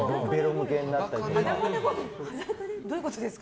どういうことですか？